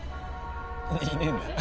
いねえんだ。